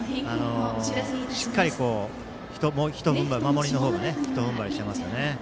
しっかり守りの方がもう一踏ん張りしていましたね。